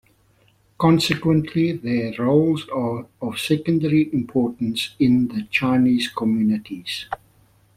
Consequently, their roles are of secondary importance in the Chinese communities.